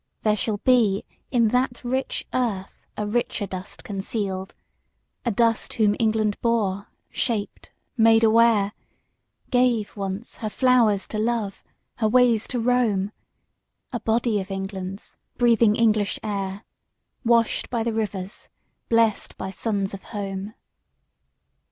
There shall be In that rich earth a richer dust concealed; A dust whom England bore, shaped, made aware, Gave, once, her flowers to love, her ways to roam, A body of England's, breathing English air, Washed by the rivers, blest by suns of home.